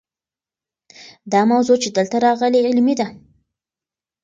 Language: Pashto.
دا موضوع چې دلته راغلې علمي ده.